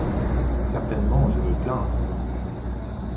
Certainement, je me plains !